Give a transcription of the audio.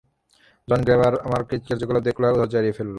যখন গ্র্যাবার আমার কীর্তিকলাপ দেখলো, ধৈর্য হারিয়ে ফেললো।